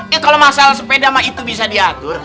ya kalo masalah sepeda sama itu bisa diatur